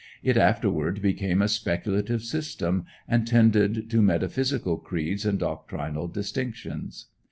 It afterward became a speculative system, and tended to metaphysical creeds and doctrinal distinctions.